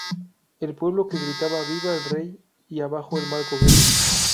El pueblo, que gritaba "¡Viva el rey y abajo el mal gobierno!